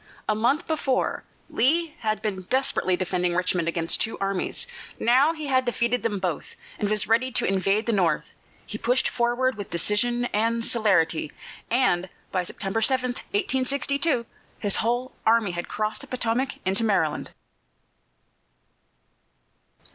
A month before, Lee had been desperately defending Richmond against two armies; now he had defeated them both and was ready to invade the North. He pushed forward with decision and celerity, and by September 7, 1862, his whole army had crossed the Potomac into Maryland.